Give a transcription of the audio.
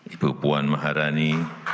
ibu puan maharani